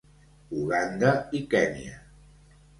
Uganda i Kenya.